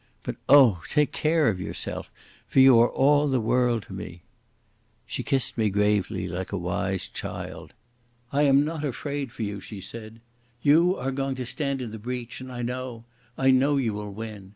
But oh! take care of yourself, for you are all the world to me." She kissed me gravely like a wise child. "I am not afraid for you," she said. "You are going to stand in the breach, and I know—I know you will win.